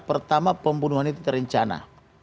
pertama pembunuhan itu terencana